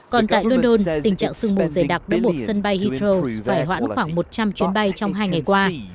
còn tại london tình trạng sưng mù dày đặc đối bộ sân bay heathrow phải hoãn khoảng một trăm linh chuyến bay trong hai ngày qua